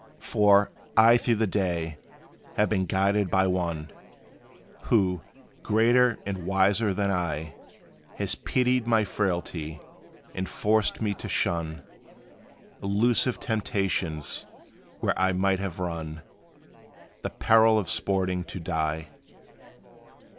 For, I through the day, have been guarded by One, Who, greater and wiser than I, Has pitied my frailty; and forced me to shun Illusive temptations, where I might have run The peril of sporting to die.